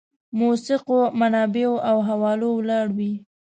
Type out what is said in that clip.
موثقو منابعو او حوالو ولاړ وي.